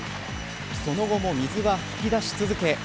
その後も水は吹き出し続け